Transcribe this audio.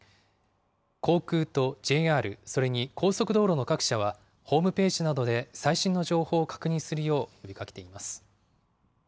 航空とＪＲ、それに高速道路の各社は、ホームページなどで最新の情報を確認するよう呼びかけています。